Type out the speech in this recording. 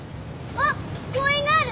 あっ公園がある。